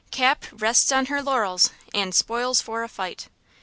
CAP "RESTS ON HER LAURELS" AND "SPOILS FOR A FIGHT."